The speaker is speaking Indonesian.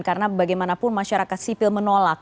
karena bagaimanapun masyarakat sipil menolak